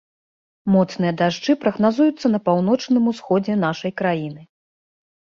Моцныя дажджы прагназуюцца на паўночным усходзе нашай краіны.